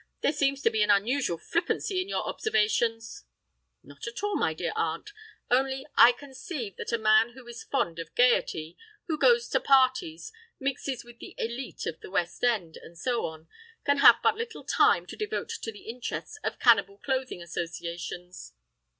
There seems to be an unusual flippancy in your observations——" "Not at all, my dear aunt. Only, I conceive that a man who is fond of gaiety—who goes to parties—mixes with the élite of the West End, and so on, can have but little time to devote to the interests of Cannibal Clothing Associations."